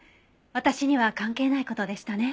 私には関係ない事でしたね。